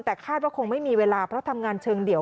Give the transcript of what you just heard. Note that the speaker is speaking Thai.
แต่คาดว่าคงไม่มีเวลาเพราะทำงานเชิงเดี่ยว